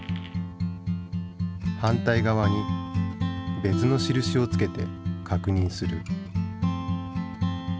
反対側に別の印を付けて確認する。